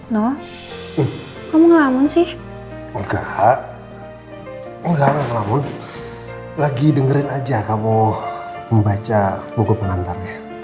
no kamu ngamun sih enggak enggak lagi dengerin aja kamu membaca buku pengantar